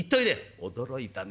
「驚いたね。